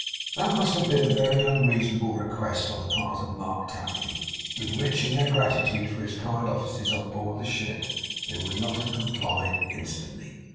That must have been a very unreasonable request on the part of Mark Tapley, with which, in their gratitude for his kind offices on board the ship, they would not have complied instantly.